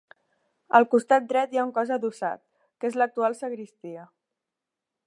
Al costat dret hi ha un cos adossat que és l'actual sagristia.